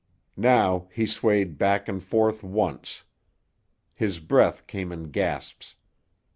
Now he swayed back and forth once. His breath came in gasps.